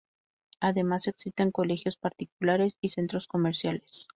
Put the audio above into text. Además, existen colegios particulares y centros comerciales.